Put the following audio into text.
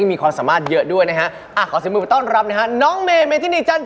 มีอีกการว่ากรุงก็คือหลวงแกล้ว